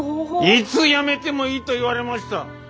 「いつ辞めてもいい」と言われました。